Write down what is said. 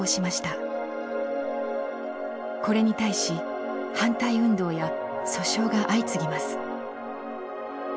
これに対し反対運動や訴訟が相次ぎます。